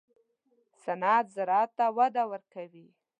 صنعت زراعت ته وده ورکوي